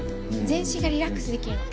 全身がリラックスできるの。